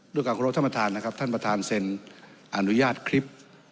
ด้วยความขอรบท่านประธานนะครับท่านประธานเซ็นอนุญาตคลิป